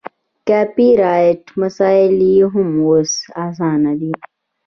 کاپي رایټ مسایل یې هم اوس اسانه دي.